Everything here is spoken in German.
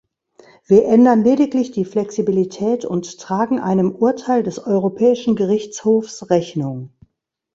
Wir ändern lediglich die Flexibilität und tragen einem Urteil des Europäischen Gerichtshofs Rechnung.